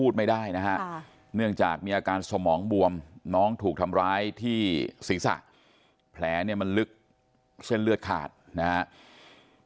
แล้วแม้มันลึกเช่นเลือดขาดนะครับ